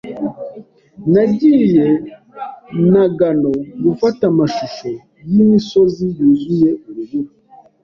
Nagiye i Nagano gufata amashusho y'imisozi yuzuye urubura.